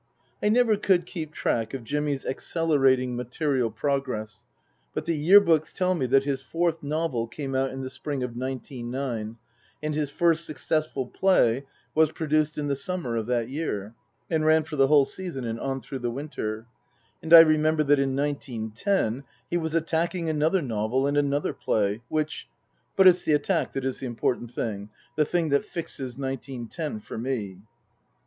I never could keep track of Jimmy's accelerating material progress, but the Year Books tell me that his fourth novel came out in the spring of nineteen nine, and his first successful play was produced in the summer of that year, and ran for the whole season and on through the winter ; and I remember that in nineteen ten he was attacking another novel and another play, which But it's the attack that is the important thing, the thing that fixes nineteen ten for me.